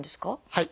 はい。